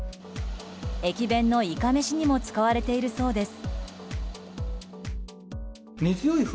駅弁のいかめしにも使われているそうです。